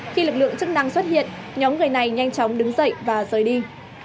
khi lực lượng chức năng xuất hiện nhóm người này nhanh chóng đứng dậy và rời đi